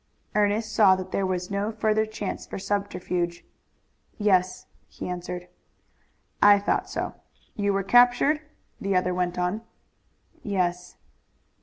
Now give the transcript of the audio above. Ernest saw that there was no further chance for subterfuge. "Yes," he answered. "I thought so." "You were captured?" the other went on. "Yes."